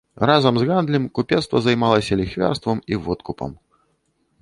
Разам з гандлем купецтва займалася ліхвярствам і водкупам.